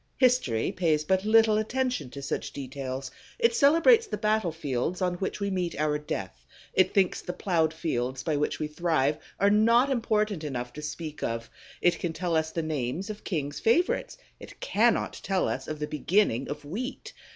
History pays but little attention to such details: it celebrates the battlefields on which we meet our death, it thinks the plowed fields by which we thrive are not important enough to speak of; it can tell us the names of kings' favorites, it cannot tell us of the beginning of wheat!